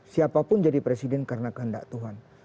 siapapun jadi presiden karena kehendak tuhan